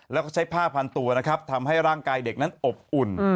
แล้วก็ใช้ผ้าพันตัวนะครับทำให้ร่างกายเด็กนั้นอบอุ่น